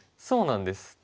そうなんです。